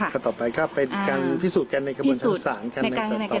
ถ้าต่อไปก็เป็นการพิสูจน์กันในกระบวนชั้นสามกันใน